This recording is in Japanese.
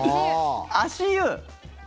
足湯！